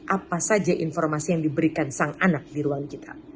apa saja informasi yang diberikan sang anak di ruang kita